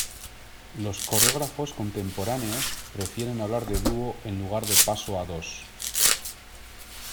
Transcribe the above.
Los coreógrafos contemporáneos prefieren hablar de "duo" en lugar de paso a dos.